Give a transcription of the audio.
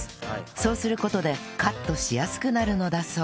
そうする事でカットしやすくなるのだそう